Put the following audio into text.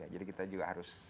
jadi kita juga harus